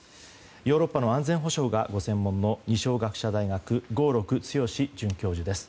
ヨーロッパの安全保障がご専門の二松学舎大学合六強准教授です。